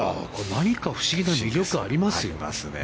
何か不思議な魅力ありますよ。